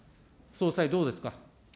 総裁、どうですか。